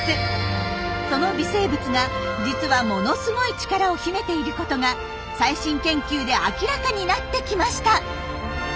その微生物が実はものすごい力を秘めていることが最新研究で明らかになってきました。